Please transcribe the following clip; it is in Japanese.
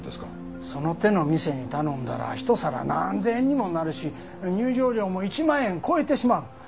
その手の店に頼んだらひと皿何千円にもなるし入場料も１万円超えてしまう。